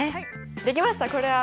できましたこれは。